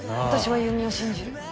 私は優美を信じる。